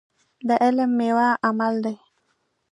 د علم ميوه عمل دی.